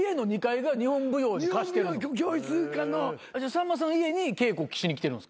さんまさんの家に稽古しに来てるんですか？